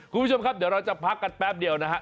คุณผู้ชมครับเดี๋ยวเราจะพักกันแป๊บเดียวนะฮะ